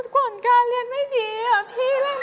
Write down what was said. ก่อนการเรียนไม่ดีอ่ะ